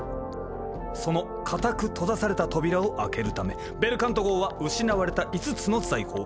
そのかたく閉ざされた扉を開けるためベルカント号は失われた５つの財宝